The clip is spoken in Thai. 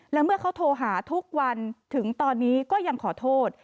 และเมื่อเขาโทรหาทุกวันถึงตอนนี้ก็ยังขอโทษ